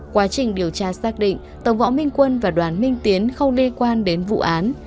quá trình điều tra xác định tổng võ minh quân và đoàn minh tiến không liên quan đến vụ án